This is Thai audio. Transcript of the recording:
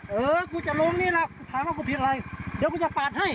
เออกูจะลงนี่แหละกูถามว่ากูผิดอะไรเดี๋ยวกูจะปาดให้